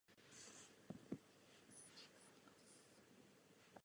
Měly by je podporovat všechny politické strany.